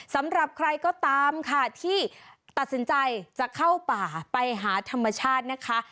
สำหรับใครก็ตามค่ะที่ตัดสินใจจะเข้าป่าไปหาธรรมชาตินะคะ